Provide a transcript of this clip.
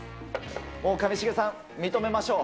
もう上重さん、認めましょう。